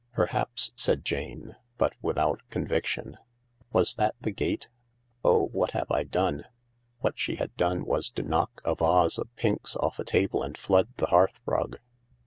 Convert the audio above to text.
" Perhaps," said Jane, but without conviction. " Was that the gate ? Oh, what have I done ?" What she had done was to knock a vase of pinks off a table and flood the hearthrug.